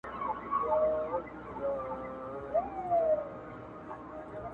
حسن د خالق له خپل جماله عبارت دی